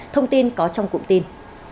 thông tin có trong cụm tin